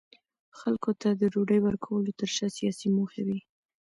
خلکو ته د ډوډۍ ورکولو ترشا سیاسي موخې وې.